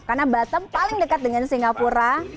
karena batam paling dekat dengan singapura